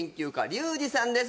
リュウジさんです